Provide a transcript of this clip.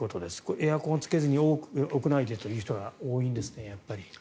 エアコンをつけずに屋内でという人がやっぱり多いんですね。